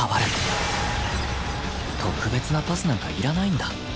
特別なパスなんかいらないんだ